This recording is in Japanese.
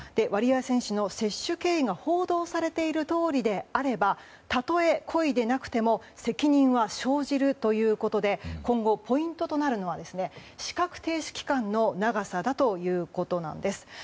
ワリエワ選手の摂取経緯が報道されているとおりであればたとえ故意でなくても責任は生じるということで今後、ポイントとなるのは資格停止期間の長さだということです。